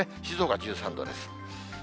静岡は１３度です。